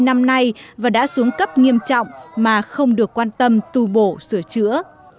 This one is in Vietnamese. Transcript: hai mươi năm nay và đã xuống cấp nghiêm trọng mà không được quan tâm tu bổ sửa chữa